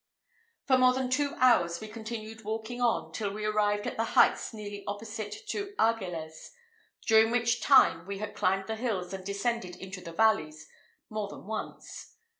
For more than two hours we continued walking on till we arrived at the heights nearly opposite to Argelez, during which time we had climbed the hills and descended into the valleys more than once.